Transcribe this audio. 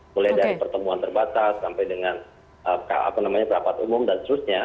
mulai dari pertemuan terbatas sampai dengan rapat umum dan seterusnya